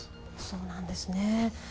そうなんですね。